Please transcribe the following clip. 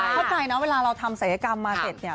เมื่อเราทำศักยกรรมมาเสร็จเนี่ย